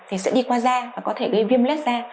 thì sẽ đi qua da và có thể gây viêm lết da